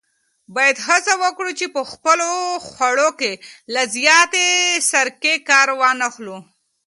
باید هڅه وکړو چې په خپلو خوړو کې له زیاتې سرکې کار وانخلو.